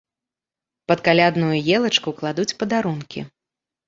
Пад калядную елачку кладуць падарункі.